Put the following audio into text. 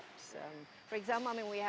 misalnya kita punya